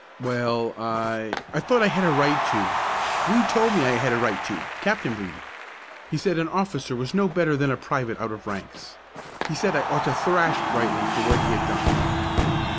"Well, I I thought I had a right to. Brede told me I had a right to, Captain Brede. He said an officer was no better than a private out of ranks. He said I ought to thrash Brightly for what he had done."